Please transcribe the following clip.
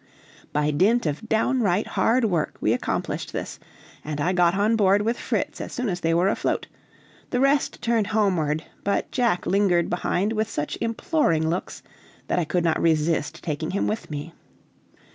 By dint of downright hard work, we accomplished this, and I got on board with Fritz as soon as they were afloat; the rest turned homeward, but Jack lingered behind with such imploring looks, that I could not resist taking him with me.